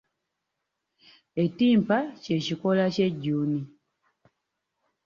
Ettimpa ky'ekikoola ky'ejjuuni.